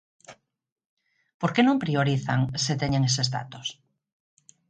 ¿Por que non priorizan se teñen eses datos?